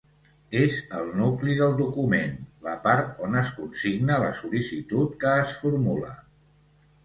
És el nucli del document, la part on es consigna la sol·licitud que es formula.